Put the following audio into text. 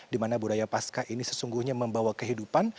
di mana budaya pascah ini sesungguhnya membawa kehidupan